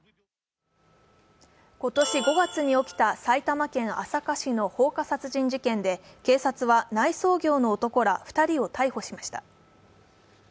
今年５月に起きた埼玉県朝霞市の放火殺人事件で警察は内装業の男ら２人を逮捕しました。